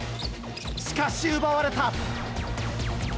しかし奪われた。